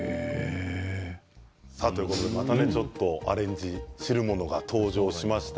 またちょっとアレンジ汁物が登場しました。